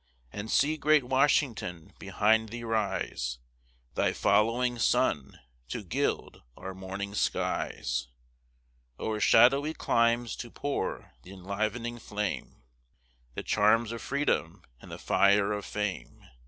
And see great Washington behind thee rise, Thy following sun, to gild our morning skies; O'er shadowy climes to pour the enliv'ning flame, The charms of freedom and the fire of fame.